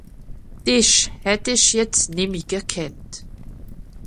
Dìch hätt ìch jetzt nemmi gekannt.